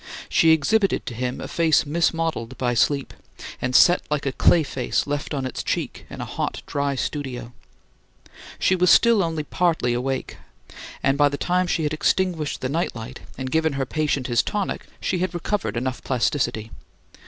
She exhibited to him a face mismodelled by sleep, and set like a clay face left on its cheek in a hot and dry studio. She was still only in part awake, however, and by the time she had extinguished the night light and given her patient his tonic, she had recovered enough plasticity.